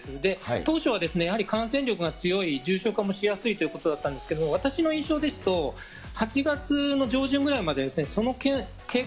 当初はやはり感染力が強い重症化もしやすいということだったんですけれども、私の印象ですと、８月の上旬ぐらいまで、その傾向